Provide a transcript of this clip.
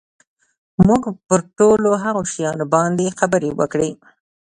موږ پر ټولو هغو شیانو باندي خبري وکړې.